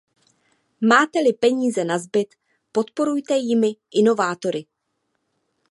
Máte-li peníze nazbyt, podporujte jimi inovátory.